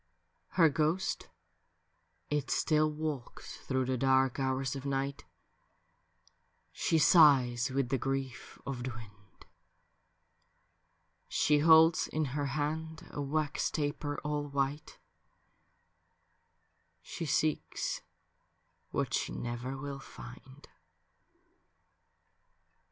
Her ghost it still walks through the dark hours of nipht, She signs with the grief of the wind ; She holds in her hand a wax taper all white ; She seeks what she never will find.